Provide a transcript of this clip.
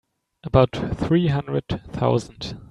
About three hundred thousand.